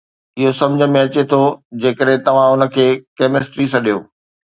اهو سمجھ ۾ اچي ٿو جيڪڏهن توهان ان کي ڪيمسٽري سڏيو